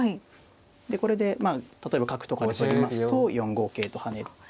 これでまあ例えば角とかで取りますと４五桂と跳ねて。